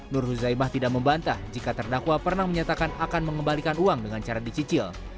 nur huzaimah tidak membantah jika terdakwa pernah menyatakan akan mengembalikan uang dengan cara dicicil